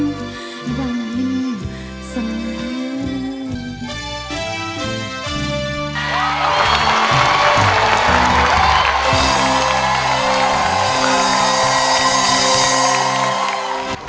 อัศวินทร์